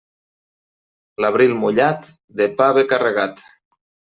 L'abril mullat, de pa ve carregat.